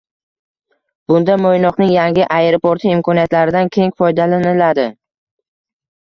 Bunda Mo‘ynoqning yangi aeroporti imkoniyatlaridan keng foydalaniladi.